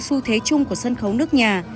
xu thế chung của sân khấu nước nhà